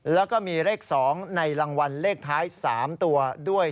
แล้วก็มีเลข๒ในรางวัลเลขท้าย๓ตัวด้วย